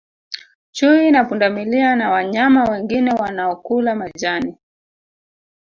Chui na pundamilia na wanyama wengine wanaokula majani